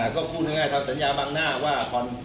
ก็พูดง่ายทำสัญญาบังหน้าว่า